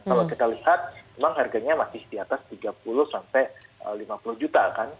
kalau kita lihat memang harganya masih di atas tiga puluh sampai lima puluh juta kan